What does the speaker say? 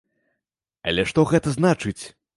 Але што гэта значыць?